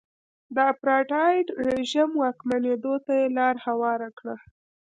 د اپارټاید رژیم واکمنېدو ته یې لار هواره کړه.